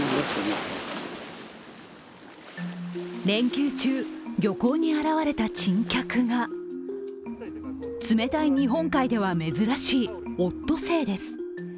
連休中、漁港に現れた珍客が、冷たい日本海では珍しいオットセイです。